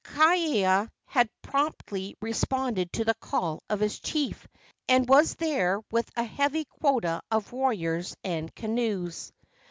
Kaiana had promptly responded to the call of his chief, and was there with a heavy quota of warriors and canoes.